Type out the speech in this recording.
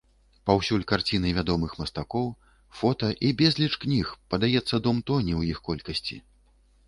Паўсюль карціны вядомых мастакоў, фота і безліч кніг, падаецца, дом тоне ў іх колькасці.